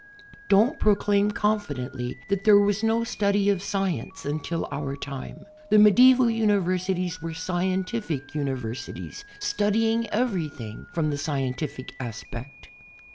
Don't proclaim confidently that there was no study of science until our time. The medieval universities were .scientific universities, studying everything from the scien tific aspect.